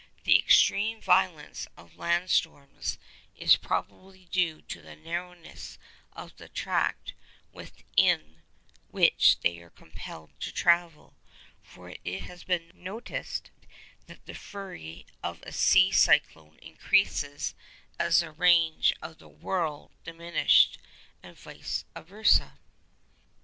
The extreme violence of land storms is probably due to the narrowness of the track within which they are compelled to travel. For it has been noticed that the fury of a sea cyclone increases as the range of the 'whirl' diminishes, and vice versâ.